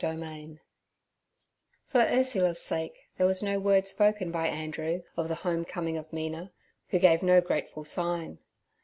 Chapter 14 FOR Ursula's sake, there was no word spoken by Andrew of the home coming of Mina, who gave no grateful sign.